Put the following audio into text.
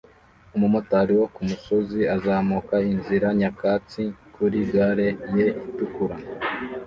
Umumotari wo kumusozi azamuka inzira nyakatsi kuri gare ye itukura